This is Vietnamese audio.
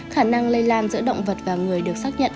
khả năng lây lan giữa động vật và người được xác nhận